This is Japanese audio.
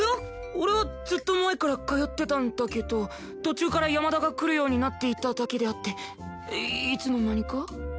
俺はずっと前から通ってたんだけど途中から山田が来るようになっていただけであっていいつの間にか？